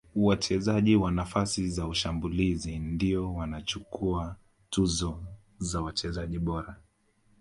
wachezaji wa nafasi za ushambulizi ndiyo wanachukuwa tuzo ya wachezaji bora